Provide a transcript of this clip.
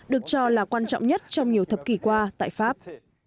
được cho là quan trọng nhất trong nhiều thập kỷ qua tại pháp